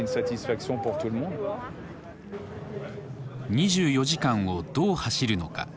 ２４時間をどう走るのか。